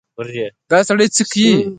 _دا سړی څه کوې؟